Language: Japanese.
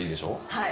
はい。